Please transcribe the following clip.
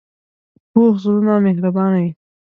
پوخ زړونه مهربانه وي